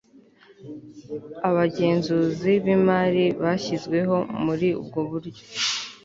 abagenzuzi b imari bashyizweho muri ubwo buryo